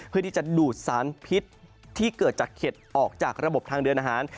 เพื่อที่จะดูดสารพิษที่เกิดจากเข็ดออกจากระบบทางเดินอาหาร